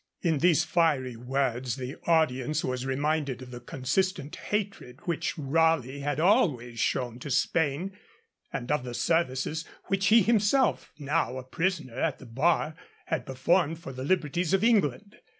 In these fiery words the audience was reminded of the consistent hatred which Raleigh had always shown to Spain, and of the services which he himself, now a prisoner at the bar, had performed for the liberties of England.